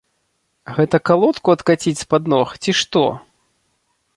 Гэта калодку адкаціць з-пад ног, ці што?